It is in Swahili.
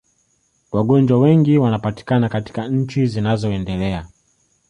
Wagonjwa wengi wanapatikana katika nchi zinazoendelea